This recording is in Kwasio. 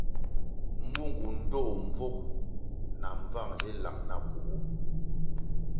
Mbungu ndtoh mbvug na mbvang zi lang na kugu.